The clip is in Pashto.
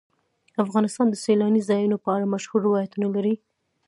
افغانستان د سیلاني ځایونو په اړه مشهور روایتونه لري.